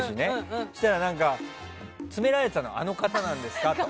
そうしたら、詰められてたのあの方なんですか？と。